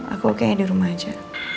aku oke di rumah aja